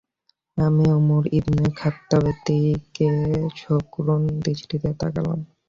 আমি উমর ইবনে খাত্তাবের দিকে সকরুণ দৃষ্টিতে তাকালাম।